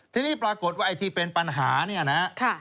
ทีนี้ปรากฏว่าไอ้ที่เป็นปัญหาเนี่ยนะ